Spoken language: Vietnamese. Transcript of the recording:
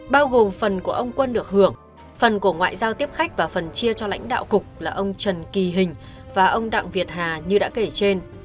bao gồm phần của ông quân được hưởng phần của ngoại giao tiếp khách và phần chia cho lãnh đạo cục là ông trần kỳ hình và ông đặng việt hà như đã kể trên